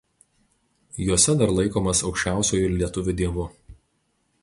Juose dar laikomas aukščiausiuoju lietuvių dievu.